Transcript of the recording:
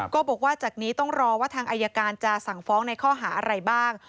ก็บอกว่าจากนี้ต้องรอว่าทางอายการจะสั่งฟ้องในข้อหาอะไรบ้าง